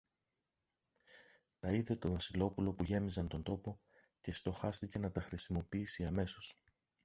Τα είδε το Βασιλόπουλο που γέμιζαν τον τόπο, και στοχάστηκε να τα χρησιμοποιήσει αμέσως.